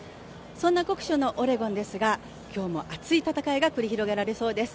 そんな酷暑のオレゴンですが今日も熱い戦いが繰り広げられそうです。